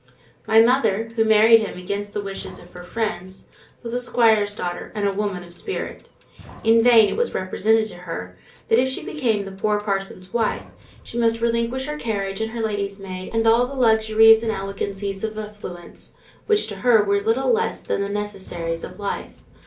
My mother, who married him against the wishes of her friends, was a squire's daughter, and a woman of spirit. In vain it was represented to her, that if she became the poor parson's wife, she must relinquish her carriage and her lady's maid, and all the luxuries and elegancies of affluence; which to her were little less than the necessaries of life.